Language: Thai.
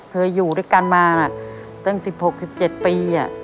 เคยอยู่ด้วยกันมาตั้ง๑๖๑๗ปี